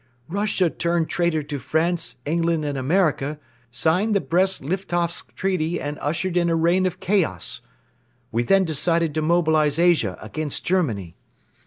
"Russia turned traitor to France, England and America, signed the Brest Litovsk Treaty and ushered in a reign of chaos. We then decided to mobilize Asia against Germany.